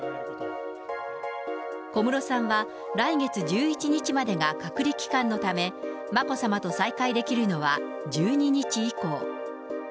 小室さんは、来月１１日までが隔離期間のため、眞子さまと再会できるのは１２日以降。